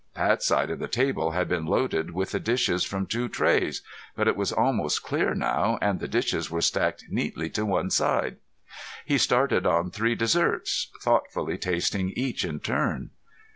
Pat's side of the table had been loaded with the dishes from two trays, but it was almost clear now and the dishes were stacked neatly to one side. He started on three desserts, thoughtfully tasting each in turn.